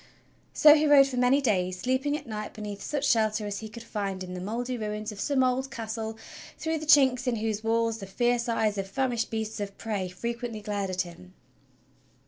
So he rode for many days, sleeping at night beneath such shelter as he could find in the mouldy ruins of some old castle through the chinks in whose walls the fierce eyes of famished beasts of prey fre quently glared at him.